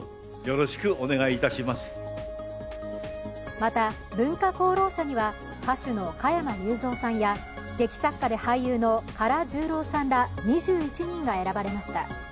また、文化功労者には歌手の加山雄三さんや劇作家で俳優の唐十郎さんら２１人が選ばれました。